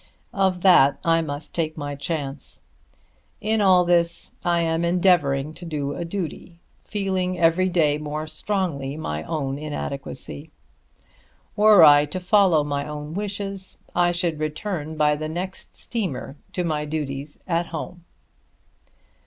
Of that I must take my chance. In all this I am endeavouring to do a duty, feeling every day more strongly my own inadequacy. Were I to follow my own wishes I should return by the next steamer to my duties at home.